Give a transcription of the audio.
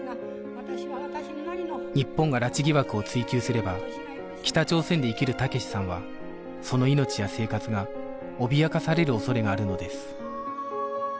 日本が拉致疑惑を追及すれば北朝鮮で生きる武志さんはその命や生活が脅かされる恐れがあるのです